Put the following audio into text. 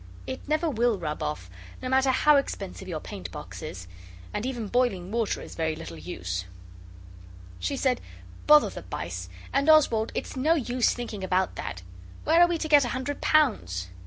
It never will rub off; no matter how expensive your paintbox is and even boiling water is very little use. She said, 'Bother the bice! And, Oswald, it's no use thinking about that. Where are we to get a hundred pounds?